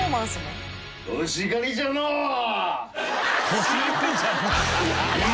「欲しがりじゃのー」。